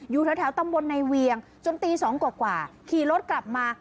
อยู่แถวตำบลในเวียงจนตี๒กว่าขี่รถกลับมา